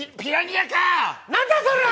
何だそれは！